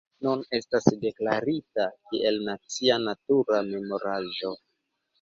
Nun estas deklarita kiel nacia natura memoraĵo.